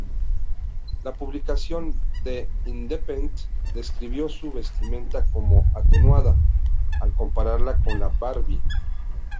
La publicación "The Independent" describió su vestimenta como "atenuada", al compararla con la Barbie.